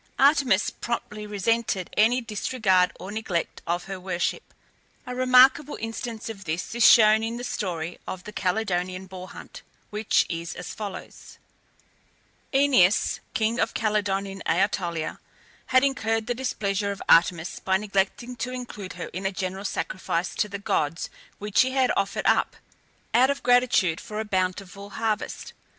Artemis promptly resented any disregard or neglect of her worship; a remarkable instance of this is shown in the story of the Calydonian boar hunt, which is as follows: Oeneus, king of Calydon in Ætolia, had incurred the displeasure of Artemis by neglecting to include her in a general sacrifice to the gods which he had offered up, out of gratitude for a bountiful harvest.